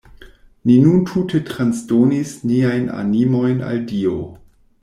Ni nun tute transdonis niajn animojn al Dio.